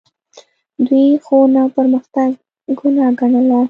دوی ښوونه او پرمختګ ګناه ګڼله